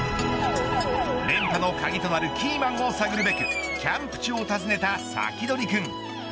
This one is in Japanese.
連覇の鍵となるキーマンを探るべくキャンプ地を訪ねたサキドリくん。